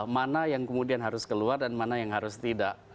mana yang kemudian harus keluar dan mana yang harus tidak